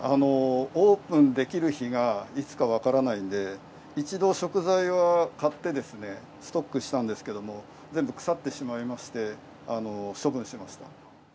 オープンできる日がいつか分からないので、一度、食材は買ってですね、ストックしたんですけども、全部腐ってしまいまして処分しました。